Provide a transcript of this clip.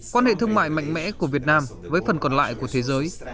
quan hệ thương mại mạnh mẽ của việt nam với phần còn lại của thế giới